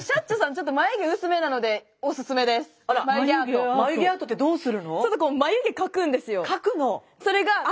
ちょっとこう眉毛描くんですよ。